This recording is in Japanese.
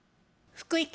福井県